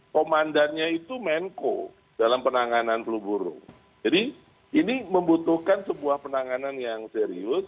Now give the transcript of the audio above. komandannya itu menko dalam penanganan flu burung jadi ini membutuhkan sebuah penanganan yang serius